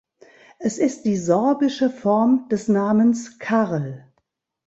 Es ist die sorbische Form des Namens Karl.